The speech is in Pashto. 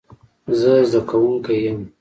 زه زده کوونکی یم